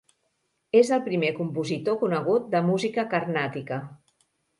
És el primer compositor conegut de música carnàtica.